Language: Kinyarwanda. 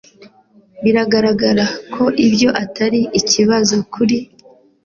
Biragaragara ko ibyo atari ikibazo kuri .